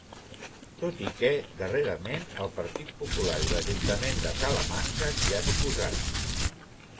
Tot i que darrerament el Partit Popular i l'ajuntament de Salamanca s'hi han oposat.